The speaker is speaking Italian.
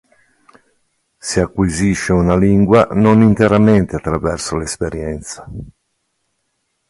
Si acquisisce una lingua non interamente attraverso l'esperienza.